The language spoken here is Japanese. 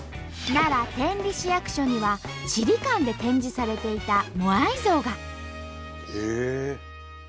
奈良天理市役所にはチリ館で展示されていたモアイ像が。へえ！